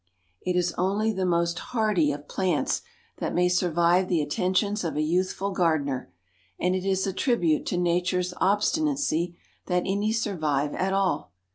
It is only the most hardy 167 168 THE DAY BEFORE YESTERDAY of plants that may survive the attentions of a youthful gardener, and it is a tribute to Nature's obstinacy that any survive at all.